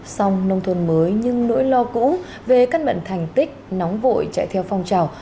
sông nông thôn mới nhưng nỗi lo cũ về các mận thành tích nóng vội chạy theo phong trào